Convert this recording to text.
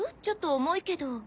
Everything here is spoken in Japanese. ちょっと重いけど。